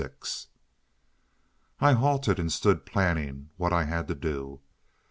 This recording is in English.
§ 6 I halted, and stood planning what I had to do.